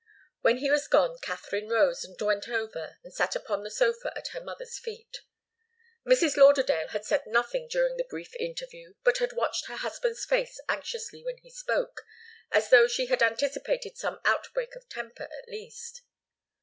When he was gone Katharine rose and went over and sat upon the sofa at her mother's feet. Mrs. Lauderdale had said nothing during the brief interview, but had watched her husband's face anxiously when he spoke, as though she had anticipated some outbreak of temper, at least.